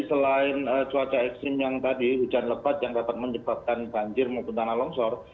selain cuaca ekstrim yang tadi hujan lebat yang dapat menyebabkan banjir maupun tanah longsor